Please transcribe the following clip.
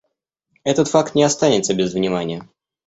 Этот факт не останется без внимания.